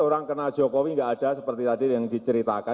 orang kenal jokowi enggak ada seperti tadi yang diceritakan